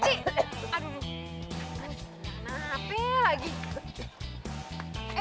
rul kurang aku mau bajain